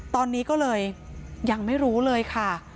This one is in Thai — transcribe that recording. ตอนนี้ก็เลยยังไม่รู้เลยค่ะ